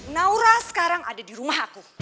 naura sekarang ada di rumah aku